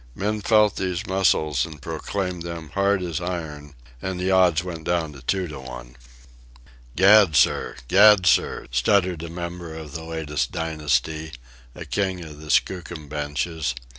Men felt these muscles and proclaimed them hard as iron, and the odds went down to two to one. "Gad, sir! Gad, sir!" stuttered a member of the latest dynasty, a king of the Skookum Benches.